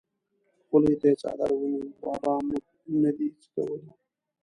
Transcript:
خولې ته یې څادر ونیو: بابا مونږ نه دي څکولي!